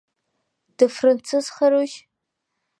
Дыфранцызхарушь?